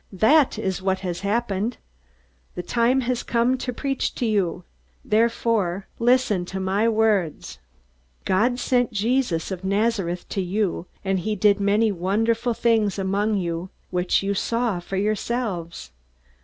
That is what has happened! The time has come to preach to you! Therefore, listen to my words. "God sent Jesus of Nazareth to you, and he did many wonderful things among you, which you saw for yourselves.